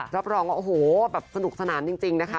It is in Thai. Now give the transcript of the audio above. รับรองว่าโอ้โหแบบสนุกสนานจริงนะคะ